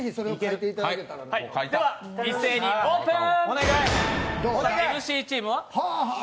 では一斉にオープン！